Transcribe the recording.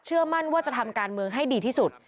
มั่นว่าจะทำการเมืองให้ดีที่สุด